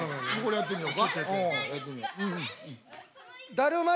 やってみよう。